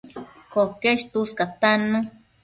Coquesh tuscatannu